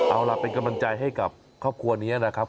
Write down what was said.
เอาล่ะเป็นกำลังใจให้กับครอบครัวนี้นะครับ